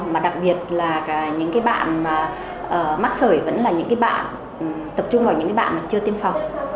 mà đặc biệt là cả những bạn mắc sởi vẫn là những bạn tập trung vào những bạn chưa tiêm phòng